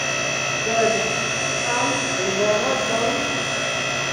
Sed kiaj interesoj?